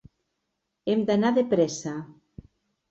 Hem d'anar de pressa.